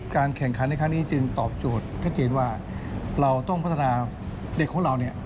แข่งขันในครั้งนี้จึงตอบโจทย์ชัดเจนว่าเราต้องพัฒนาเด็กของเราเนี่ย